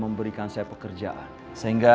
memberikan saya pekerjaan sehingga